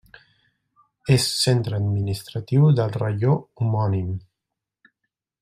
És centre administratiu del raió homònim.